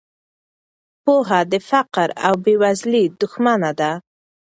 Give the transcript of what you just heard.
پوهه د فقر او بې وزلۍ دښمنه ده.